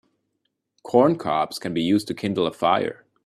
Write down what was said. Corn cobs can be used to kindle a fire.